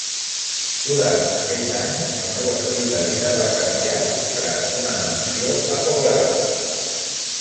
Durant aquells anys, el seu estil de vida va canviar comprant una mansió a Colorado.